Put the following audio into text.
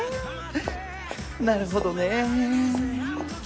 なるほどね。